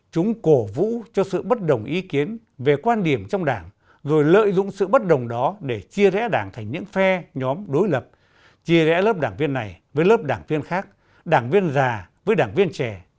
chúng cổ vũ cho sự bất đồng ý kiến về quan điểm trong đảng rồi lợi dụng sự bất đồng đó để chia rẽ đảng thành những phe nhóm đối lập chia rẽ lớp đảng viên này với lớp đảng viên khác đảng viên già với đảng viên trẻ